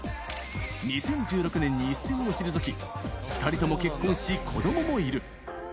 ２０１６年に一線を退き、２人とも結婚し、子どももいる。